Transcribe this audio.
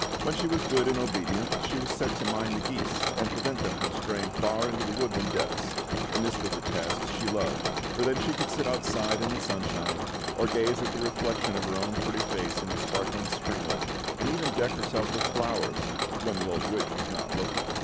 When she was good and obedient, she was set to mind the geese and prevent them from straying far into the woodland depths; and this was a task she loved, for then she could sit outside in the sunshine, or gaze at the reflection of her own pretty face in the sparkling streamlet, and even deck herself with flowers when the old witch was not looking.